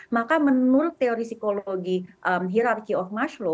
maka menurut teori psikologi hierarchy of mash law